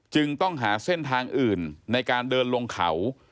จึงต้องหาเส้นทางอื่นในการเดินลงเขา